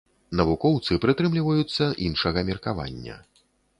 Навукоўцы прытрымліваюцца іншага меркавання.